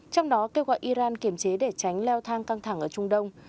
trong đó kêu gọi iran kiềm chế để tránh leo thang căng thẳng ở trung đông